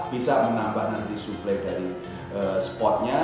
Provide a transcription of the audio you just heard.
bisa menambah nanti suplai dari spotnya